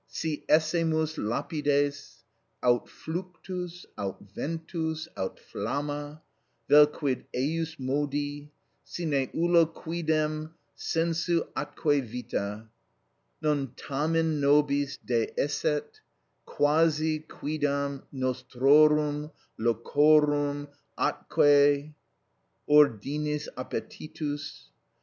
Si essemus lapides, aut fluctus, aut ventus, aut flamma, vel quid ejusmodi, sine ullo quidem sensu atque vita, non tamen nobis deesset quasi quidam nostrorum locorum atque ordinis appetitus.